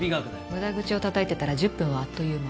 無駄口を叩いてたら１０分はあっという間。